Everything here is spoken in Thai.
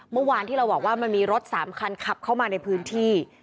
เมื่อวานที่เราบอกว่ามันมีรถ๓คันขับเข้ามาในพื้นที่